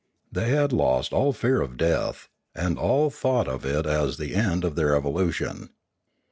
They had lost all fear of death, and all thought of it as the end of their evolution.